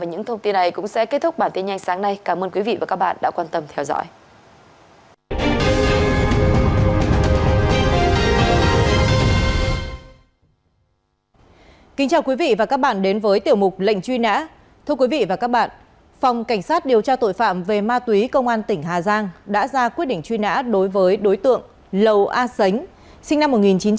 hùng đã ra quyết định truy nã đối với đối tượng lầu a xánh sinh năm một nghìn chín trăm chín mươi hai